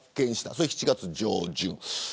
それが７月上旬。